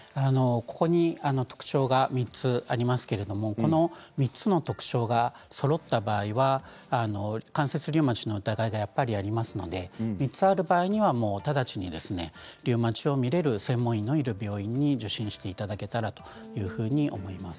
ここに特徴が３つありますけれどもこの３つの特徴がそろった場合は関節リウマチの疑いがやっぱりありますので３つある場合には直ちにリウマチを診れる専門医のいる病院に受診していただけたらというふうに思います。